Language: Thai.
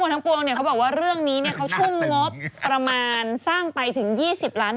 หน้าเขาเปลี่ยนไปอีกแล้ว